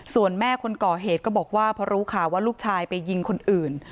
ส่วนแม่คนก่อเหตุก็บอกว่าพอรู้ข่าวว่าลูกชายไปยิงคนอื่น